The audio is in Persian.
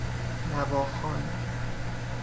نواخوان